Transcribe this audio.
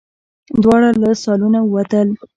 دواړه له سالونه ووتل.